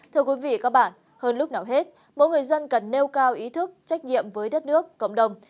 thưa quý vị các bạn hơn lúc nào hết mỗi người dân cần nêu cao ý thức trách nhiệm với đất nước cộng đồng